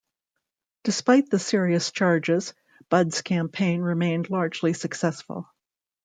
Despite the serious charges, Budd's campaign remained largely successful.